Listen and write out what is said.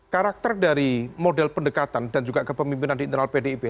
karakter dari model pendekatan dan juga kepemimpinan di internal pdip